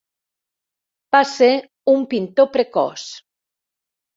Va ser un pintor precoç.